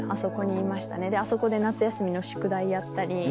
あそこで夏休みの宿題やったり。